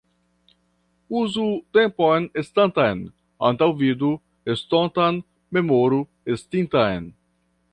Uzu tempon estantan, antaŭvidu estontan, memoru estintan.